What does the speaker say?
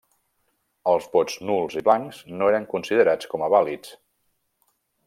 Els vots nuls i blancs no eren considerats com a vàlids.